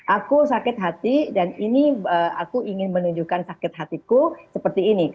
aku sakit hati dan ini aku ingin menunjukkan sakit hatiku seperti ini